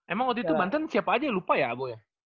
emang waktu itu banten siapa aja yang lupa ya bu ya